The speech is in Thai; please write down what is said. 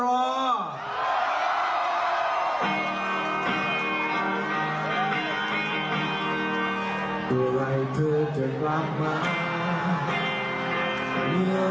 ฉันเดียวใหม่เพื่อก็คอยเดียงแน่เพื่อน